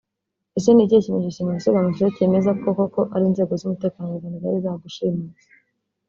Ese ni ikihe kimenyetso simusiga mufite cyemeza ko koko ari inzego z’umutekano w’u Rwanda zari zagushimuse